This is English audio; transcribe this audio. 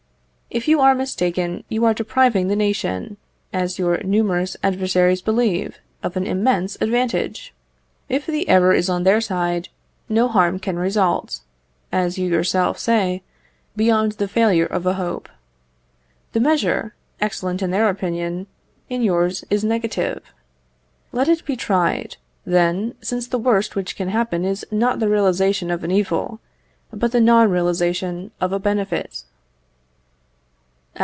If you are mistaken, you are depriving the nation, as your numerous adversaries believe, of an immense advantage. If the error is on their side, no harm can result, as you yourself say, beyond the failure of a hope. The measure, excellent in their opinion, in yours is negative. Let it be tried, then, since the worst which can happen is not the realization of an evil, but the non realization of a benefit.